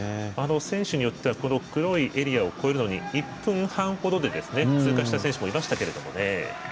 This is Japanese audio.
選手によっては黒いエリアを越えるのに１分半ほどで通過した選手もいましたけれどもね。